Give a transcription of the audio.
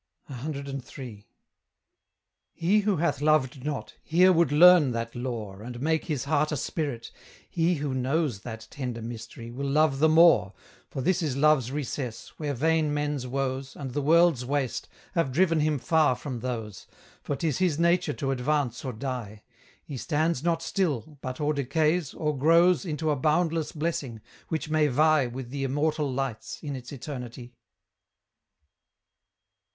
CIII. He who hath loved not, here would learn that lore, And make his heart a spirit: he who knows That tender mystery, will love the more, For this is Love's recess, where vain men's woes, And the world's waste, have driven him far from those, For 'tis his nature to advance or die; He stands not still, but or decays, or grows Into a boundless blessing, which may vie With the immortal lights, in its eternity!